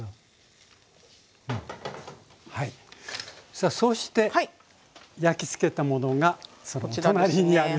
さあそうして焼きつけたものがそのお隣にあります。